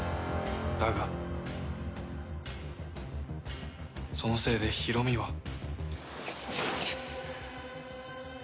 だがそのせいでヒロミは。